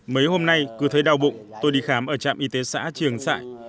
mấy hôm nay cứ thấy đau bụng tôi đi khám ở trạm y tế xã trường sại